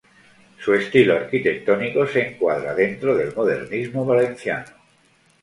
Su estilo arquitectónico se encuadra dentro del modernismo valenciano.